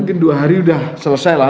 mungkin dua hari sudah selesai lah